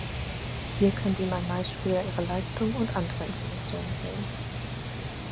Hier können die Maimaisspieler ihre Leistungen und andere Informationen sehen.